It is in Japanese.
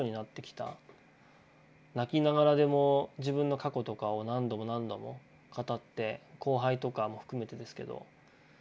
泣きながらでも自分の過去とかを何度も何度も語って後輩とかも含めてですけどそういう経験がやっぱあったからこそ